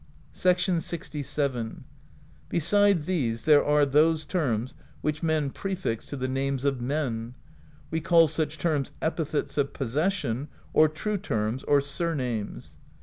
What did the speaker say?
LXVn. "Beside these there are those terms which men prefix to the names of men: we call such terms epithets of possession,^ or true terms, or surnames.